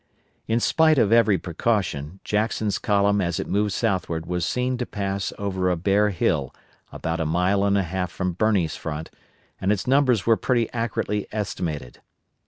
In spite of every precaution, Jackson's column as it moved southward was seen to pass over a bare hill about a mile and a half from Birney's front, and its numbers were pretty accurately estimated.